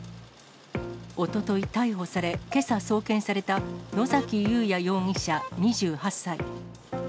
おととい逮捕され、けさ送検された野崎祐也容疑者２８歳。